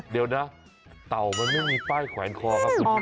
เดี๋ยวนะเต่ามันไม่มีป้ายแขวนคอครับคุณผู้ชม